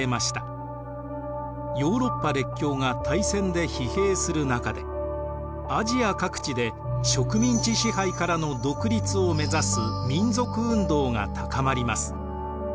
ヨーロッパ列強が大戦で疲弊する中でアジア各地で植民地支配からの独立を目指す民族運動が高まります。